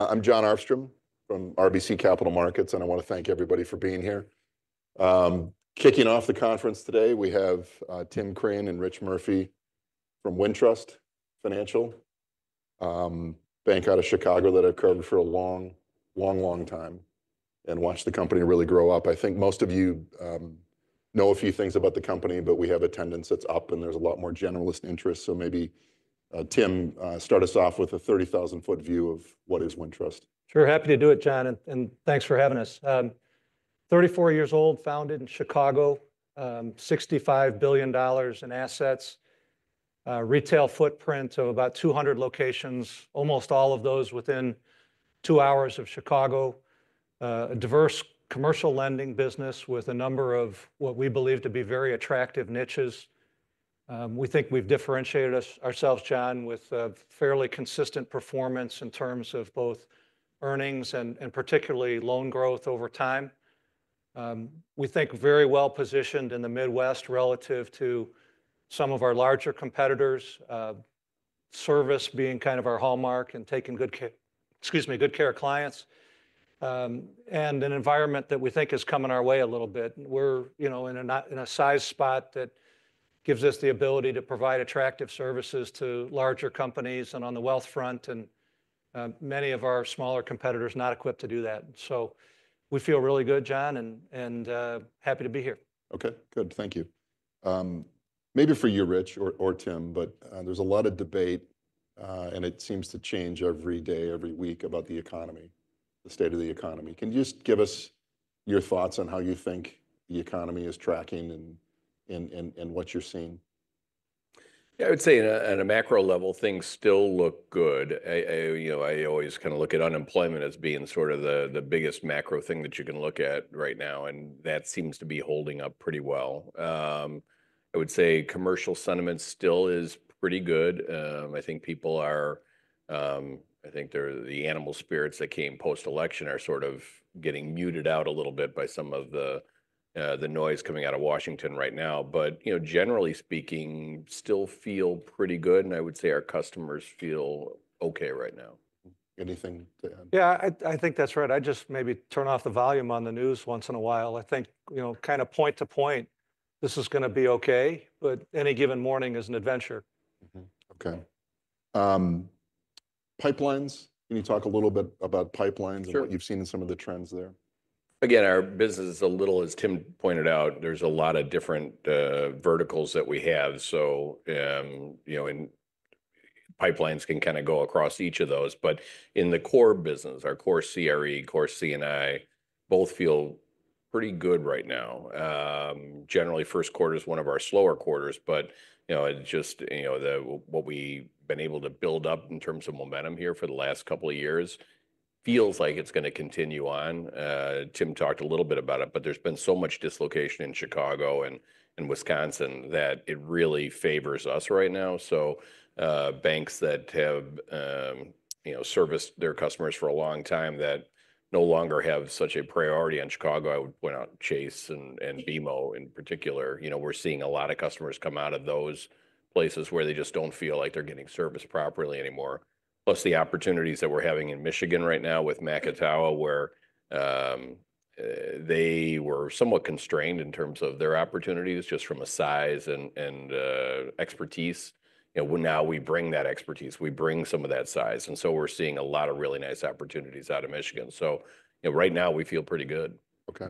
I'm Jon Arfstrom from RBC Capital Markets, and I want to thank everybody for being here. Kicking off the conference today, we have Tim Crane and Rich Murphy from Wintrust Financial, a bank out of Chicago that I've covered for a long, long, long time and watched the company really grow up. I think most of you know a few things about the company, but we have attendance that's up, and there's a lot more generalist interests. So maybe Tim, start us off with a 30,000 ft view of what is Wintrust. Sure. Happy to do it, Jon, and thanks for having us. 34 years old, founded in Chicago, $65 billion in assets, retail footprint of about 200 locations, almost all of those within two hours of Chicago. A diverse commercial lending business with a number of what we believe to be very attractive niches. We think we've differentiated ourselves, Jon, with fairly consistent performance in terms of both earnings and particularly loan growth over time. We think very well positioned in the Midwest relative to some of our larger competitors, service being kind of our hallmark and taking good care of clients, and an environment that we think is coming our way a little bit. We're in a size spot that gives us the ability to provide attractive services to larger companies and on the wealth front, and many of our smaller competitors not equipped to do that. So we feel really good, Jon, and happy to be here. Okay, good. Thank you. Maybe for you, Rich or Tim, but there's a lot of debate, and it seems to change every day, every week about the economy, the state of the economy. Can you just give us your thoughts on how you think the economy is tracking and what you're seeing? Yeah, I would say on a macro level, things still look good. I always kind of look at unemployment as being sort of the biggest macro thing that you can look at right now, and that seems to be holding up pretty well. I would say commercial sentiment still is pretty good. I think people are, I think the animal spirits that came post-election are sort of getting muted out a little bit by some of the noise coming out of Washington right now. But generally speaking, still feel pretty good, and I would say our customers feel okay right now. Anything to add? Yeah, I think that's right. I just maybe turn off the volume on the news once in a while. I think kind of point to point, this is going to be okay, but any given morning is an adventure. Okay. Pipelines, can you talk a little bit about pipelines and what you've seen in some of the trends there? Again, our business is a little, as Tim pointed out. There's a lot of different verticals that we have. So pipelines can kind of go across each of those. But in the core business, our core CRE, core C&I, both feel pretty good right now. Generally, first quarter is one of our slower quarters, but just what we've been able to build up in terms of momentum here for the last couple of years feels like it's going to continue on. Tim talked a little bit about it, but there's been so much dislocation in Chicago and Wisconsin that it really favors us right now. So banks that have serviced their customers for a long time that no longer have such a priority in Chicago, I would point out Chase and BMO in particular. We're seeing a lot of customers come out of those places where they just don't feel like they're getting serviced properly anymore. Plus the opportunities that we're having in Michigan right now with Macatawa, where they were somewhat constrained in terms of their opportunities just from a size and expertise. Now we bring that expertise, we bring some of that size, and so we're seeing a lot of really nice opportunities out of Michigan, so right now we feel pretty good. Okay.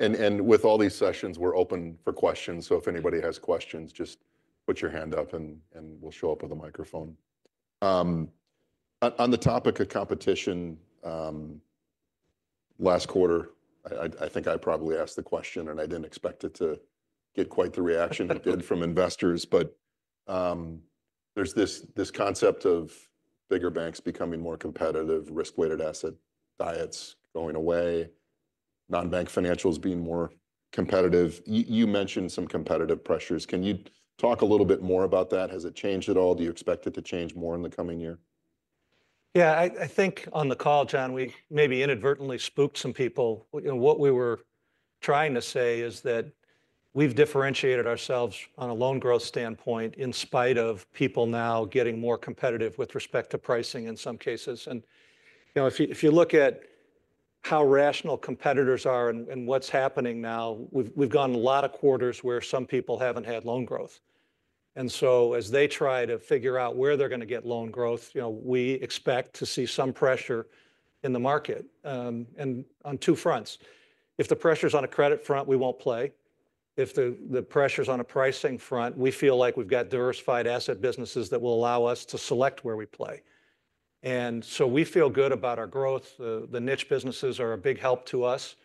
And with all these sessions, we're open for questions. So if anybody has questions, just put your hand up and we'll show up with a microphone. On the topic of competition, last quarter, I think I probably asked the question and I didn't expect it to get quite the reaction it did from investors, but there's this concept of bigger banks becoming more competitive, risk-weighted asset diets going away, non-bank financials being more competitive. You mentioned some competitive pressures. Can you talk a little bit more about that? Has it changed at all? Do you expect it to change more in the coming year? Yeah, I think on the call, Jon, we maybe inadvertently spooked some people. What we were trying to say is that we've differentiated ourselves on a loan growth standpoint in spite of people now getting more competitive with respect to pricing in some cases, and if you look at how rational competitors are and what's happening now, we've gone a lot of quarters where some people haven't had loan growth, and so as they try to figure out where they're going to get loan growth, we expect to see some pressure in the market on two fronts. If the pressure's on a credit front, we won't play. If the pressure's on a pricing front, we feel like we've got diversified asset businesses that will allow us to select where we play, and so we feel good about our growth. The niche businesses are a big help to us.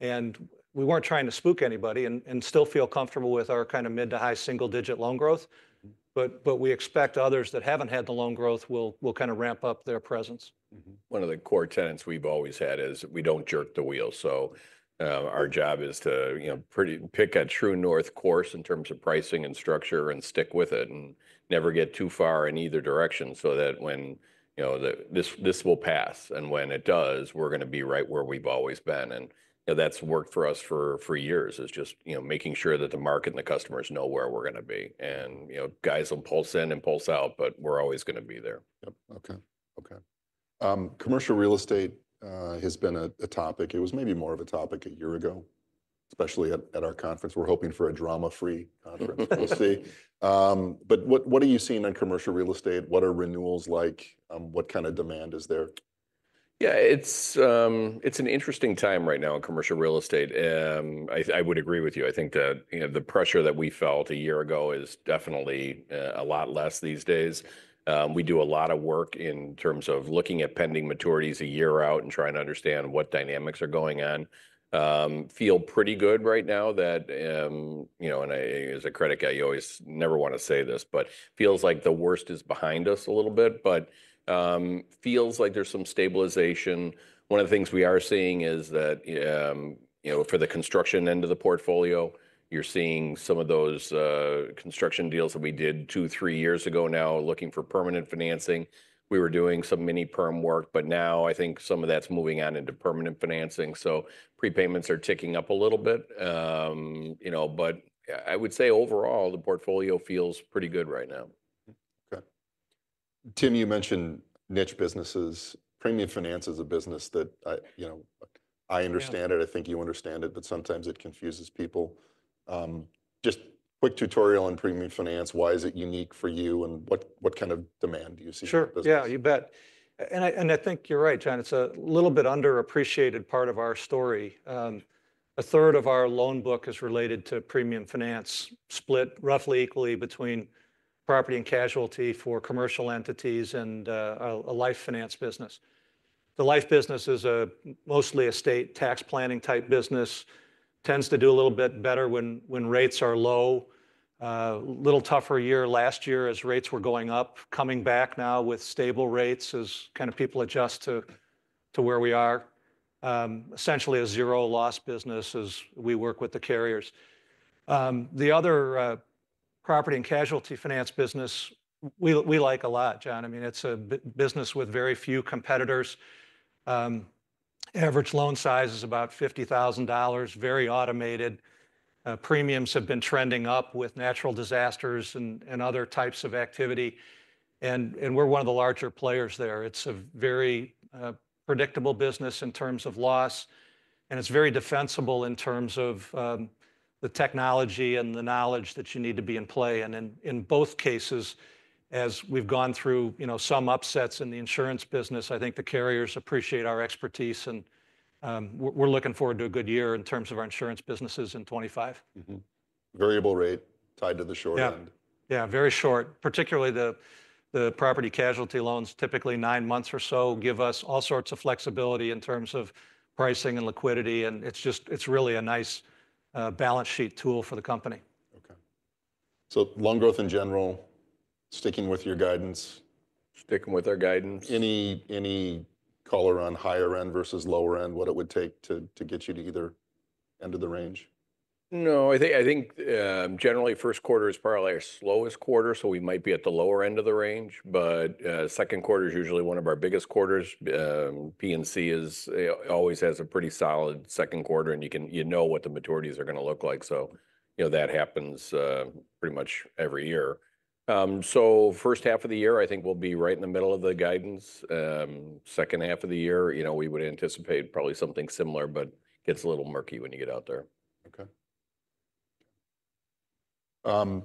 And we weren't trying to spook anybody and still feel comfortable with our kind of mid to high single-digit loan growth. But we expect others that haven't had the loan growth will kind of ramp up their presence. One of the core tenets we've always had is we don't jerk the wheel. So our job is to pick a true north course in terms of pricing and structure and stick with it and never get too far in either direction so that this will pass. And when it does, we're going to be right where we've always been. And that's worked for us for years. It's just making sure that the market and the customers know where we're going to be. And guys will pulse in and pulse out, but we're always going to be there. Okay. Commercial real estate has been a topic. It was maybe more of a topic a year ago, especially at our conference. We're hoping for a drama-free conference. We'll see. But what are you seeing in commercial real estate? What are renewals like? What kind of demand is there? Yeah, it's an interesting time right now in commercial real estate. I would agree with you. I think the pressure that we felt a year ago is definitely a lot less these days. We do a lot of work in terms of looking at pending maturities a year out and trying to understand what dynamics are going on. Feel pretty good right now that as a credit guy, you always never want to say this, but feels like the worst is behind us a little bit, but feels like there's some stabilization. One of the things we are seeing is that for the construction end of the portfolio, you're seeing some of those construction deals that we did two, three years ago now looking for permanent financing. We were doing some mini-perm work, but now I think some of that's moving on into permanent financing. So prepayments are ticking up a little bit. But I would say overall, the portfolio feels pretty good right now. Okay. Tim, you mentioned niche businesses. Premium finance is a business that I understand. I think you understand it, but sometimes it confuses people. Just quick tutorial on premium finance. Why is it unique for you and what kind of demand do you see? Sure. Yeah, you bet, and I think you're right, Jon. It's a little bit underappreciated part of our story. A third of our loan book is related to premium finance, split roughly equally between property and casualty for commercial entities and a life finance business. The life business is mostly a state tax planning type business. Tends to do a little bit better when rates are low. A little tougher year last year as rates were going up. Coming back now with stable rates as kind of people adjust to where we are. Essentially a zero loss business as we work with the carriers. The other property and casualty finance business we like a lot, Jon. I mean, it's a business with very few competitors. Average loan size is about $50,000, very automated. Premiums have been trending up with natural disasters and other types of activity. And we're one of the larger players there. It's a very predictable business in terms of loss. And it's very defensible in terms of the technology and the knowledge that you need to be in play. And in both cases, as we've gone through some upsets in the insurance business, I think the carriers appreciate our expertise. And we're looking forward to a good year in terms of our insurance businesses in 2025. Variable rate tied to the short end. Yeah, very short. Particularly the property casualty loans, typically nine months or so, give us all sorts of flexibility in terms of pricing and liquidity, and it's really a nice balance sheet tool for the company. Okay, so loan growth in general, sticking with your guidance. Sticking with our guidance. Any color on higher end versus lower end, what it would take to get you to either end of the range? No, I think generally first quarter is probably our slowest quarter, so we might be at the lower end of the range. But second quarter is usually one of our biggest quarters. P&C always has a pretty solid second quarter, and you know what the maturities are going to look like. So that happens pretty much every year. So first half of the year, I think we'll be right in the middle of the guidance. Second half of the year, we would anticipate probably something similar, but it gets a little murky when you get out there. Okay.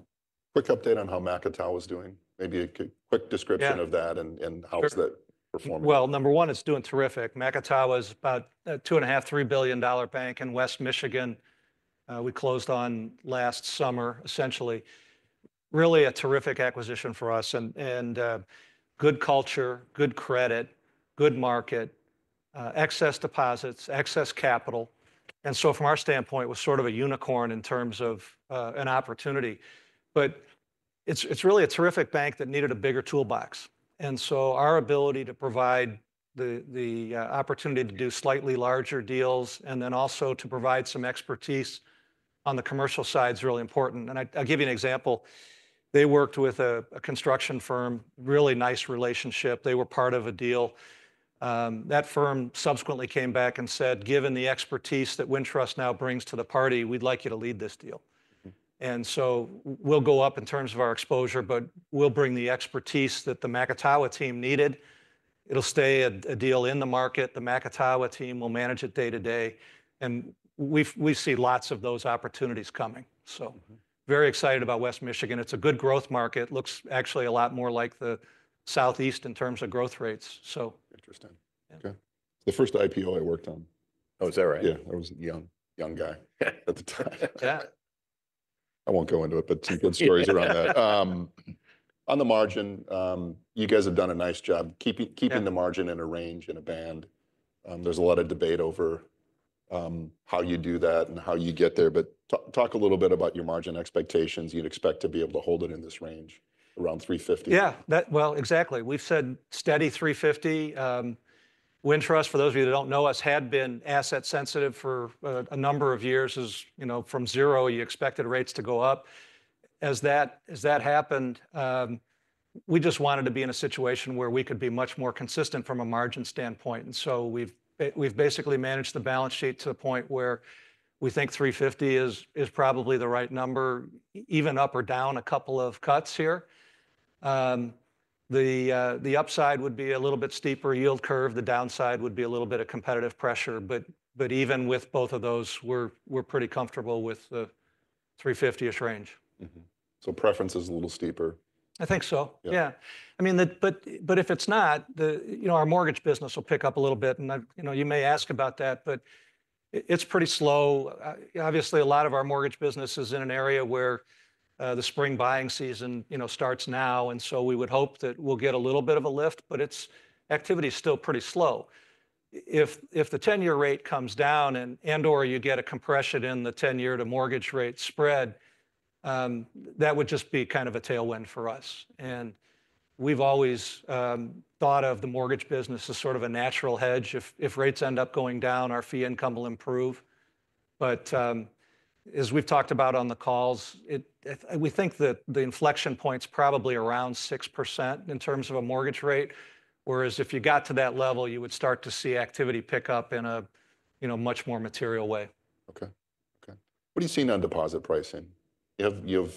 Quick update on how Macatawa was doing. Maybe a quick description of that and how's that performing? Number one, it's doing terrific. Macatawa is about a $2.5 billion-$3 billion bank in West Michigan. We closed on last summer, essentially. Really a terrific acquisition for us and good culture, good credit, good market, excess deposits, excess capital, and so from our standpoint, it was sort of a unicorn in terms of an opportunity, but it's really a terrific bank that needed a bigger toolbox. And so our ability to provide the opportunity to do slightly larger deals and then also to provide some expertise on the commercial side is really important. And I'll give you an example. They worked with a construction firm, really nice relationship. They were part of a deal. That firm subsequently came back and said, "Given the expertise that Wintrust now brings to the party, we'd like you to lead this deal," and so we'll go up in terms of our exposure, but we'll bring the expertise that the Macatawa team needed. It'll stay a deal in the market. The Macatawa team will manage it day to day, and we see lots of those opportunities coming, so very excited about West Michigan. It's a good growth market. Looks actually a lot more like the Southeast in terms of growth rates. Interesting. Okay. The first IPO I worked on. Oh, is that right? Yeah. I was a young guy at the time. Yeah. I won't go into it, but some good stories around that. On the margin, you guys have done a nice job keeping the margin in a range, in a band. There's a lot of debate over how you do that and how you get there. But talk a little bit about your margin expectations. You'd expect to be able to hold it in this range, around 350. Yeah. Well, exactly. We've said steady 350. Wintrust, for those of you that don't know us, had been asset sensitive for a number of years from zero. You expected rates to go up. As that happened, we just wanted to be in a situation where we could be much more consistent from a margin standpoint. And so we've basically managed the balance sheet to the point where we think 350 is probably the right number, even up or down a couple of cuts here. The upside would be a little bit steeper yield curve. The downside would be a little bit of competitive pressure. But even with both of those, we're pretty comfortable with the 350-ish range. Preference is a little steeper. I think so. Yeah. I mean, but if it's not, our mortgage business will pick up a little bit. And you may ask about that, but it's pretty slow. Obviously, a lot of our mortgage business is in an area where the spring buying season starts now. And so we would hope that we'll get a little bit of a lift, but activity is still pretty slow. If the 10-year rate comes down and/or you get a compression in the 10-year to mortgage rate spread, that would just be kind of a tailwind for us. And we've always thought of the mortgage business as sort of a natural hedge. If rates end up going down, our fee income will improve. But as we've talked about on the calls, we think that the inflection point's probably around 6% in terms of a mortgage rate. Whereas if you got to that level, you would start to see activity pick up in a much more material way. Okay. What do you see on deposit pricing? You have a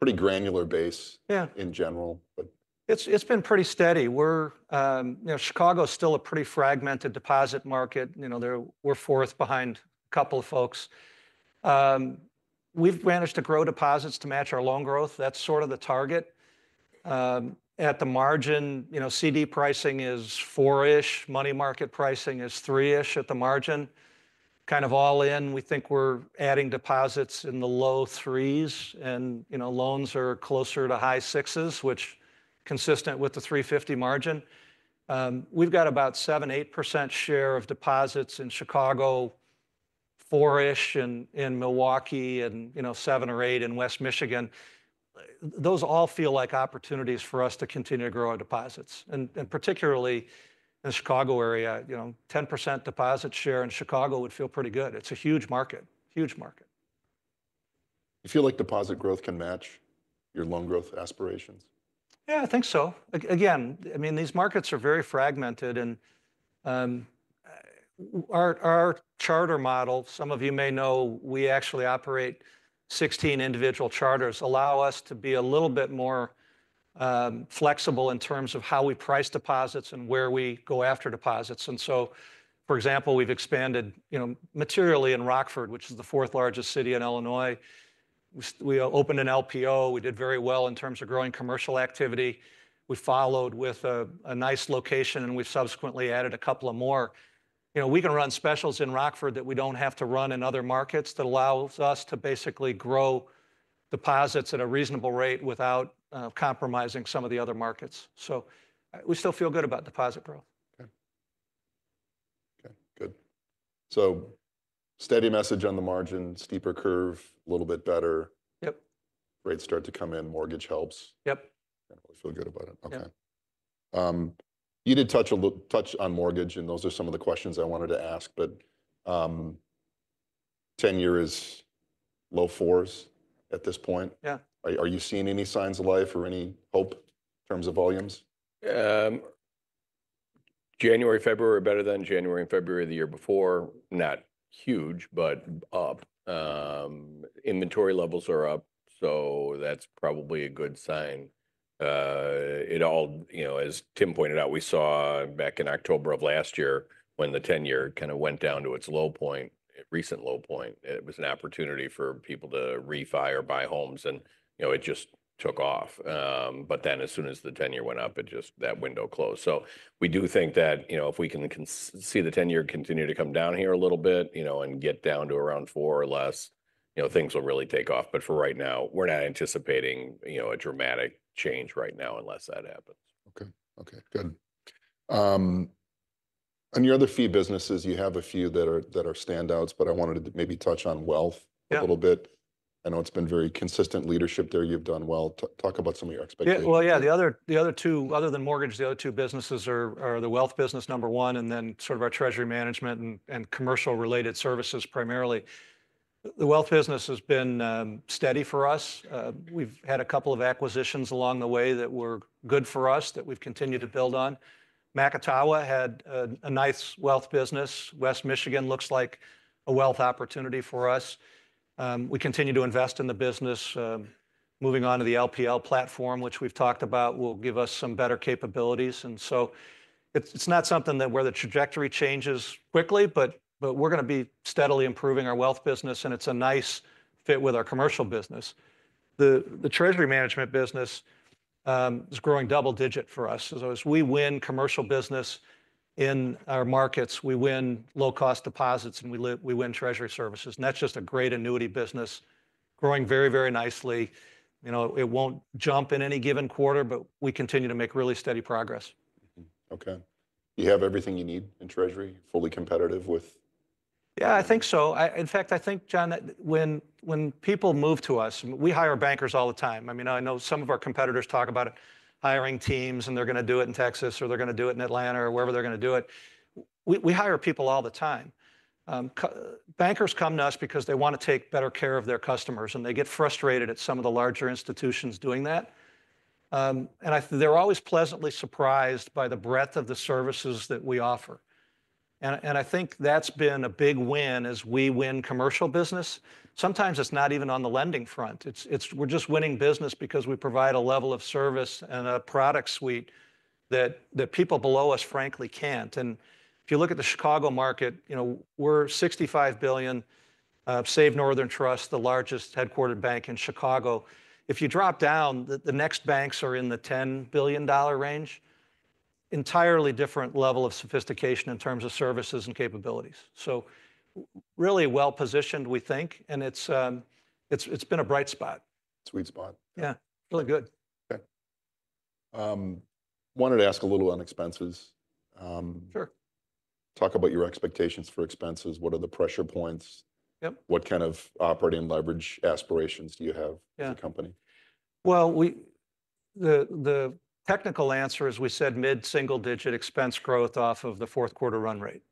pretty granular base in general, but. It's been pretty steady. Chicago is still a pretty fragmented deposit market. We're fourth behind a couple of folks. We've managed to grow deposits to match our loan growth. That's sort of the target. At the margin, CD pricing is four-ish. Money market pricing is three-ish at the margin. Kind of all in. We think we're adding deposits in the low threes. And loans are closer to high sixes, which is consistent with the 350 margin. We've got about 7%-8% share of deposits in Chicago, four-ish in Milwaukee, and seven or eight in West Michigan. Those all feel like opportunities for us to continue to grow our deposits. And particularly in the Chicago area, 10% deposit share in Chicago would feel pretty good. It's a huge market, huge market. You feel like deposit growth can match your loan growth aspirations? Yeah, I think so. Again, I mean, these markets are very fragmented. And our charter model, some of you may know, we actually operate 16 individual charters, allows us to be a little bit more flexible in terms of how we price deposits and where we go after deposits. And so, for example, we've expanded materially in Rockford, which is the fourth largest city in Illinois. We opened an LPO. We did very well in terms of growing commercial activity. We followed with a nice location, and we subsequently added a couple of more. We can run specials in Rockford that we don't have to run in other markets that allows us to basically grow deposits at a reasonable rate without compromising some of the other markets. So we still feel good about deposit growth. Okay. Good. So steady message on the margin, steeper curve, a little bit better. Yep. Rates start to come in, mortgage helps. Yep. You feel good about it. Okay. You did touch on mortgage, and those are some of the questions I wanted to ask, but 10-year is low fours at this point. Yeah. Are you seeing any signs of life or any hope in terms of volumes? January, February are better than January and February of the year before. Not huge, but up. Inventory levels are up, so that's probably a good sign. It all, as Tim pointed out, we saw back in October of last year when the 10-year kind of went down to its low point, recent low point. It was an opportunity for people to refi or buy homes, and it just took off. But then as soon as the 10-year went up, that window closed. So we do think that if we can see the 10-year continue to come down here a little bit and get down to around four or less, things will really take off. But for right now, we're not anticipating a dramatic change right now unless that happens. Okay. Okay. Good. On your other fee businesses, you have a few that are standouts, but I wanted to maybe touch on wealth a little bit. I know it's been very consistent leadership there. You've done well. Talk about some of your expectations. The other two, other than mortgage, the other two businesses are the wealth business number one and then sort of our treasury management and commercial-related services primarily. The wealth business has been steady for us. We've had a couple of acquisitions along the way that were good for us that we've continued to build on. Macatawa had a nice wealth business. West Michigan looks like a wealth opportunity for us. We continue to invest in the business. Moving on to the LPL platform, which we've talked about, will give us some better capabilities, and so it's not something that where the trajectory changes quickly, but we're going to be steadily improving our wealth business, and it's a nice fit with our commercial business. The treasury management business is growing double-digit for us. As we win commercial business in our markets, we win low-cost deposits, and we win treasury services, and that's just a great annuity business, growing very, very nicely. It won't jump in any given quarter, but we continue to make really steady progress. Okay. You have everything you need in treasury, fully competitive with. Yeah, I think so. In fact, I think, Jon, when people move to us, we hire bankers all the time. I mean, I know some of our competitors talk about hiring teams, and they're going to do it in Texas or they're going to do it in Atlanta or wherever they're going to do it. We hire people all the time. Bankers come to us because they want to take better care of their customers, and they get frustrated at some of the larger institutions doing that, and they're always pleasantly surprised by the breadth of the services that we offer, and I think that's been a big win as we win commercial business. Sometimes it's not even on the lending front. We're just winning business because we provide a level of service and a product suite that people below us, frankly, can't. And if you look at the Chicago market, we're $65 billion, save Northern Trust, the largest headquartered bank in Chicago. If you drop down, the next banks are in the $10 billion range, entirely different level of sophistication in terms of services and capabilities. So really well positioned, we think, and it's been a bright spot. Sweet spot. Yeah, really good. Okay. I wanted to ask a little on expenses. Sure. Talk about your expectations for expenses. What are the pressure points? What kind of operating leverage aspirations do you have as a company? The technical answer is we said mid-single-digit expense growth off of the fourth quarter run rate.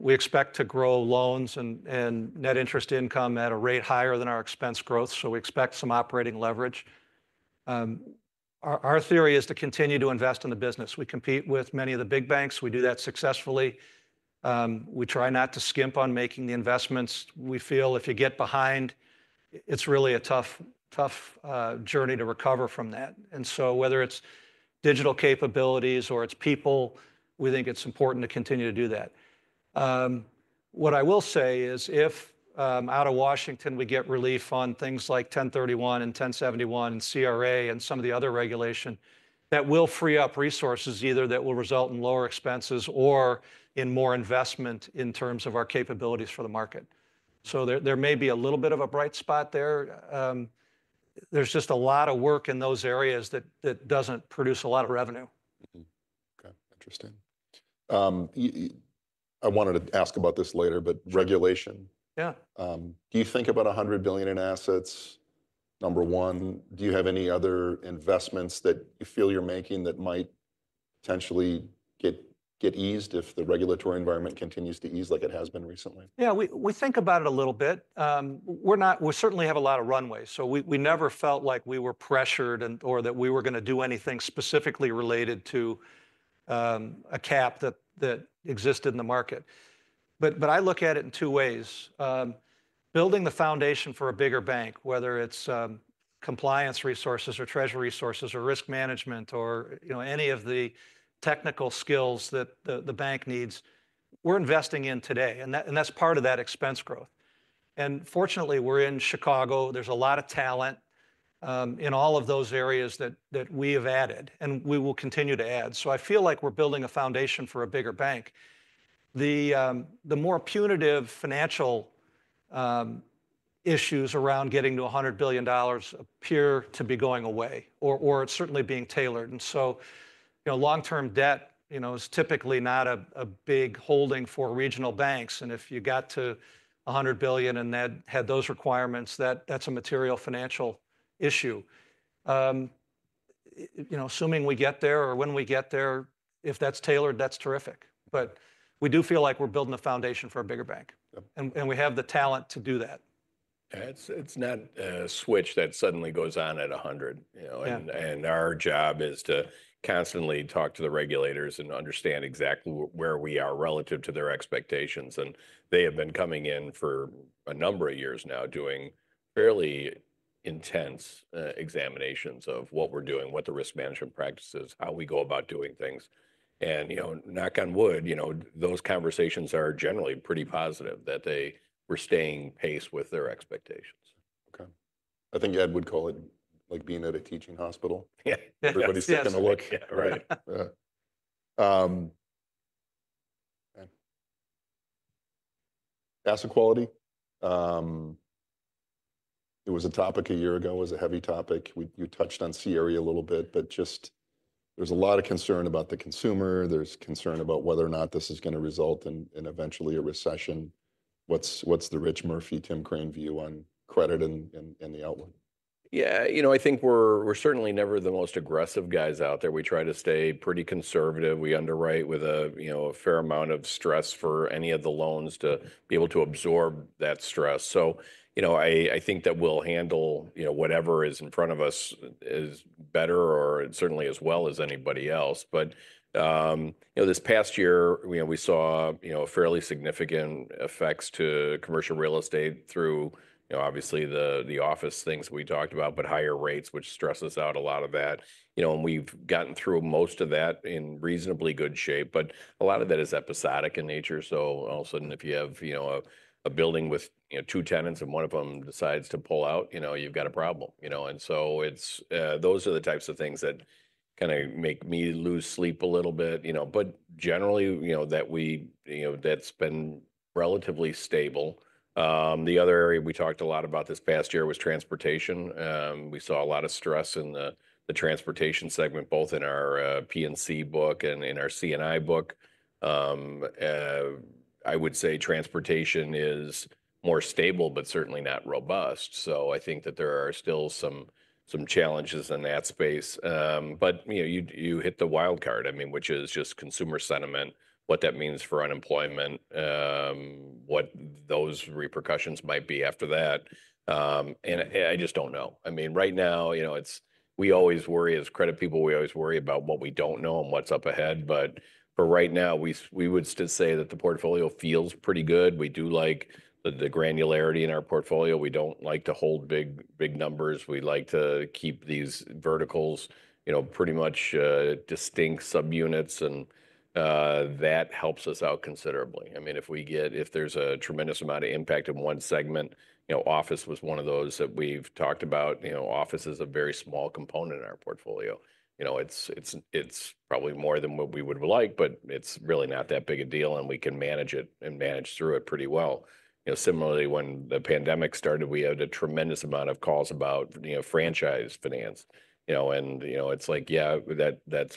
We expect to grow loans and net interest income at a rate higher than our expense growth, so we expect some operating leverage. Our theory is to continue to invest in the business. We compete with many of the big banks. We do that successfully. We try not to skimp on making the investments. We feel if you get behind, it's really a tough journey to recover from that. And so whether it's digital capabilities or it's people, we think it's important to continue to do that. What I will say is if out of Washington we get relief on things like 1031 and 1071 and CRA and some of the other regulation, that will free up resources either that will result in lower expenses or in more investment in terms of our capabilities for the market. So there may be a little bit of a bright spot there. There's just a lot of work in those areas that doesn't produce a lot of revenue. Okay. Interesting. I wanted to ask about this later, but regulation. Yeah. Do you think about $100 billion in assets? Number one, do you have any other investments that you feel you're making that might potentially get eased if the regulatory environment continues to ease like it has been recently? Yeah, we think about it a little bit. We certainly have a lot of runway, so we never felt like we were pressured or that we were going to do anything specifically related to a cap that existed in the market, but I look at it in two ways. Building the foundation for a bigger bank, whether it's compliance resources or treasury resources or risk management or any of the technical skills that the bank needs, we're investing in today, and that's part of that expense growth, and fortunately, we're in Chicago. There's a lot of talent in all of those areas that we have added, and we will continue to add, so I feel like we're building a foundation for a bigger bank. The more punitive financial issues around getting to $100 billion appear to be going away or certainly being tailored. And so long-term debt is typically not a big holding for regional banks. And if you got to $100 billion and had those requirements, that's a material financial issue. Assuming we get there or when we get there, if that's tailored, that's terrific. But we do feel like we're building a foundation for a bigger bank, and we have the talent to do that. It's not a switch that suddenly goes on at 100. And our job is to constantly talk to the regulators and understand exactly where we are relative to their expectations. And they have been coming in for a number of years now doing fairly intense examinations of what we're doing, what the risk management practice is, how we go about doing things. And knock on wood, those conversations are generally pretty positive that they were keeping pace with their expectations. Okay. I think Ed would call it like being at a teaching hospital. Everybody's taking a look. Yeah. Right. Asset quality. It was a topic a year ago. It was a heavy topic. You touched on CRE a little bit, but just there's a lot of concern about the consumer. There's concern about whether or not this is going to result in an eventual recession. What's the Rich Murphy, Tim Crane view on credit and the outlook? Yeah, you know I think we're certainly never the most aggressive guys out there. We try to stay pretty conservative. We underwrite with a fair amount of stress for any of the loans to be able to absorb that stress. So I think that we'll handle whatever is in front of us is better or certainly as well as anybody else. But this past year, we saw fairly significant effects to commercial real estate through obviously the office things we talked about, but higher rates, which stresses out a lot of that. And we've gotten through most of that in reasonably good shape, but a lot of that is episodic in nature. So all of a sudden, if you have a building with two tenants and one of them decides to pull out, you've got a problem. And so those are the types of things that kind of make me lose sleep a little bit. But generally, that's been relatively stable. The other area we talked a lot about this past year was transportation. We saw a lot of stress in the transportation segment, both in our P&C book and in our C&I book. I would say transportation is more stable, but certainly not robust. So I think that there are still some challenges in that space. But you hit the wild card, I mean, which is just consumer sentiment, what that means for unemployment, what those repercussions might be after that. And I just don't know. I mean, right now, we always worry as credit people, we always worry about what we don't know and what's up ahead. But for right now, we would still say that the portfolio feels pretty good. We do like the granularity in our portfolio. We don't like to hold big numbers. We like to keep these verticals pretty much distinct subunits, and that helps us out considerably. I mean, if there's a tremendous amount of impact in one segment, office was one of those that we've talked about. Office is a very small component in our portfolio. It's probably more than what we would like, but it's really not that big a deal, and we can manage it and manage through it pretty well. Similarly, when the pandemic started, we had a tremendous amount of calls about franchise finance, and it's like, yeah,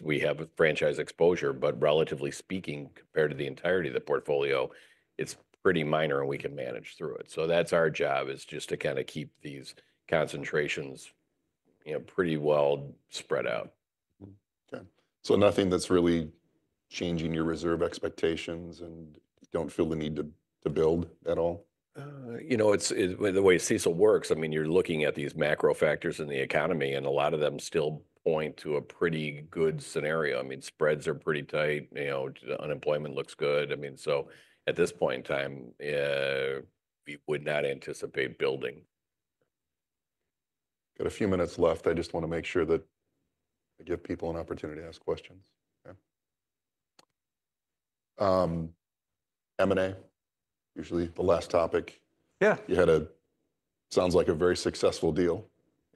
we have franchise exposure, but relatively speaking, compared to the entirety of the portfolio, it's pretty minor and we can manage through it, so that's our job, is just to kind of keep these concentrations pretty well spread out. Okay. So nothing that's really changing your reserve expectations and don't feel the need to build at all? The way CECL works, I mean, you're looking at these macro factors in the economy, and a lot of them still point to a pretty good scenario. I mean, spreads are pretty tight. Unemployment looks good. I mean, so at this point in time, we would not anticipate building. Got a few minutes left. I just want to make sure that I give people an opportunity to ask questions. Okay. M&A, usually the last topic. Yeah. You had a, sounds like a very successful deal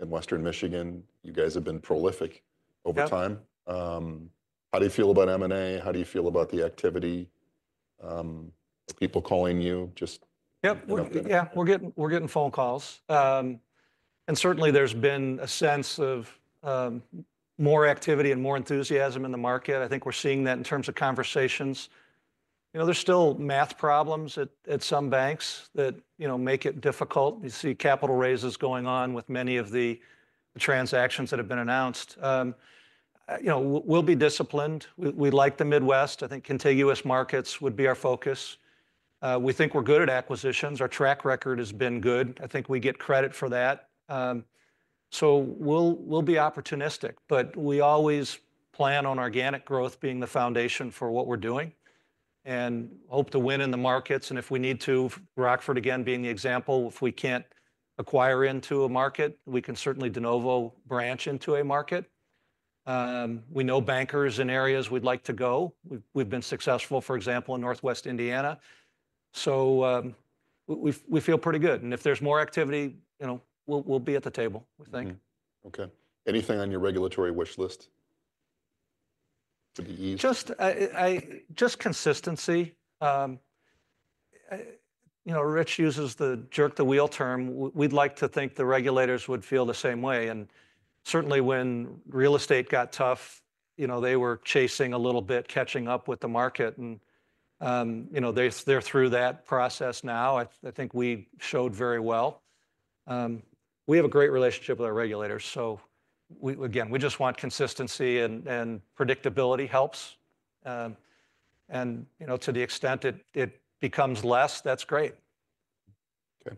in West Michigan. You guys have been prolific over time. How do you feel about M&A? How do you feel about the activity? People calling you, just. Yeah, we're getting phone calls. And certainly, there's been a sense of more activity and more enthusiasm in the market. I think we're seeing that in terms of conversations. There's still math problems at some banks that make it difficult. You see capital raises going on with many of the transactions that have been announced. We'll be disciplined. We like the Midwest. I think contiguous markets would be our focus. We think we're good at acquisitions. Our track record has been good. I think we get credit for that. So we'll be opportunistic, but we always plan on organic growth being the foundation for what we're doing and hope to win in the markets. And if we need to, Rockford again being the example, if we can't acquire into a market, we can certainly de novo branch into a market. We know bankers in areas we'd like to go. We've been successful, for example, in Northwest Indiana. So we feel pretty good. And if there's more activity, we'll be at the table, we think. Okay. Anything on your regulatory wish list for the ease? Just consistency. Rich uses the "jerk the wheel" term. We'd like to think the regulators would feel the same way. And certainly, when real estate got tough, they were chasing a little bit, catching up with the market. And they're through that process now. I think we showed very well. We have a great relationship with our regulators. So again, we just want consistency, and predictability helps. And to the extent it becomes less, that's great. Okay.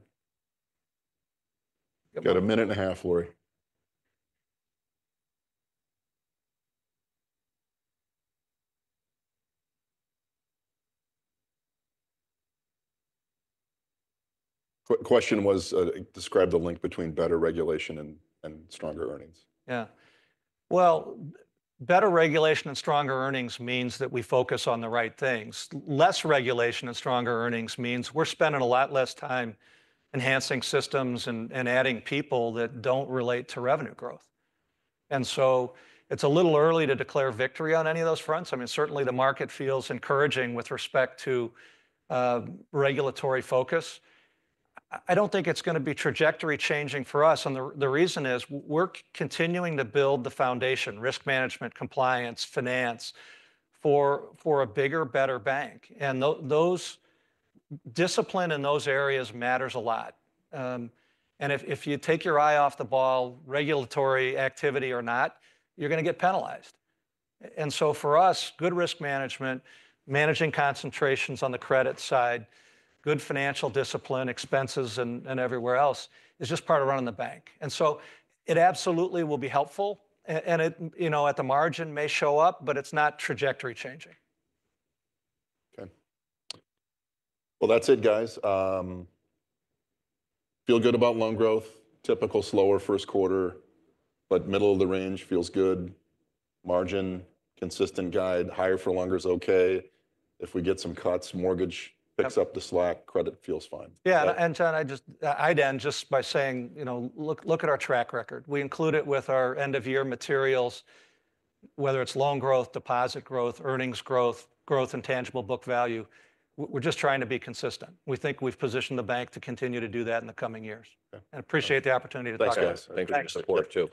Got a minute and a half, Lori. Question was, describe the link between better regulation and stronger earnings. Yeah. Well, better regulation and stronger earnings means that we focus on the right things. Less regulation and stronger earnings means we're spending a lot less time enhancing systems and adding people that don't relate to revenue growth. And so it's a little early to declare victory on any of those fronts. I mean, certainly, the market feels encouraging with respect to regulatory focus. I don't think it's going to be trajectory changing for us. And the reason is we're continuing to build the foundation, risk management, compliance, finance for a bigger, better bank. And discipline in those areas matters a lot. And if you take your eye off the ball, regulatory activity or not, you're going to get penalized. And so for us, good risk management, managing concentrations on the credit side, good financial discipline, expenses, and everywhere else is just part of running the bank. And so it absolutely will be helpful. And at the margin may show up, but it's not trajectory changing. Okay. Well, that's it, guys. Feel good about loan growth. Typical slower first quarter, but middle of the range feels good. Margin, consistent guide. Higher for longer is okay. If we get some cuts, mortgage picks up the slack. Credit feels fine. Yeah. And I'd end just by saying, look at our track record. We include it with our end-of-year materials, whether it's loan growth, deposit growth, earnings growth, growth in tangible book value. We're just trying to be consistent. We think we've positioned the bank to continue to do that in the coming years. And appreciate the opportunity to talk about it. Thanks, guys. Thanks for your support too.